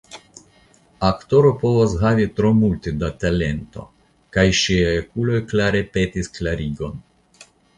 Aktoro povas havi tro multe da talento, kaj ŝiaj okuloj klare petis klarigon.